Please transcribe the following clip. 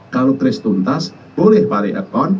kalau kris tuntas boleh pakai akun